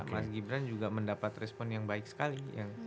mas gibran juga mendapat respon yang baik sekali